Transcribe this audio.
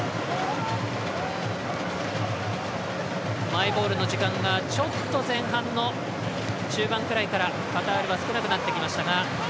マイボールの時間がちょっと前半の中盤くらいからカタールは少なくなってきましたが。